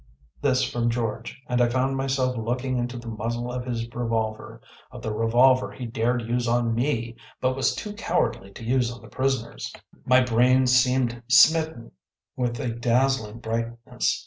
‚ÄĚ This from George, and I found myself looking into the muzzle of his revolver‚ÄĒof the revolver he dared to use on me, but was too cowardly to use on the prisoners. My brain seemed smitten with a dazzling brightness.